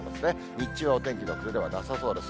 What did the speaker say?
日中はお天気の崩れはなさそうです。